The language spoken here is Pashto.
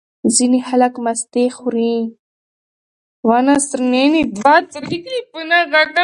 ځینې خلک مستې خوري.